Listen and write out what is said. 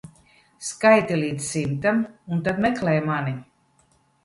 Skaiti līdz simtam un tad meklē mani.